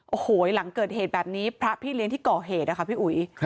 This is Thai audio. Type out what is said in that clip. โอ้โหหลังเกิดเหตุแบบนี้พระพี่เลี้ยงที่ก่อเหตุนะคะพี่อุ๋ย